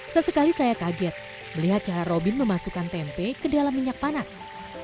sesekali saya kaget melihat cara robin memasukkan tempe ke dalam minyak panas